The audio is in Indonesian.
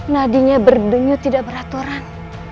nadinya berdenyu tidak beraturan